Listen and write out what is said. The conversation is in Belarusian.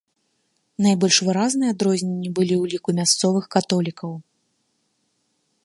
Найбольш выразныя адрозненні былі ў ліку мясцовых католікаў.